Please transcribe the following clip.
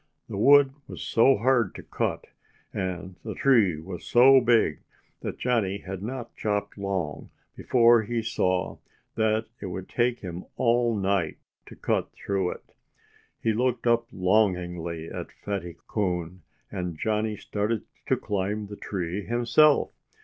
The wood was so hard to cut, and the tree was so big, that Johnnie had not chopped long before he saw that it would take him all night to cut through it. He looked up longingly at Fatty Coon. And Johnnie started to climb the tree himself.